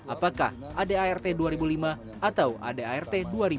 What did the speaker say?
apakah adart dua ribu lima atau adart dua ribu dua puluh